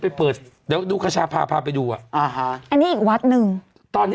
ไปเปิดเดี๋ยวดูขชาพาพาไปดูอ่ะอ่าฮะอันนี้อีกวัดหนึ่งตอนนี้